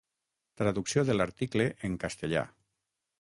Traducció de l'article en castellà.